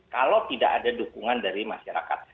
kalau tidak ada dukungan dari masyarakat